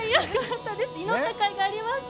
祈ったかいがありました